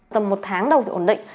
tầm một tháng đầu thì ổn định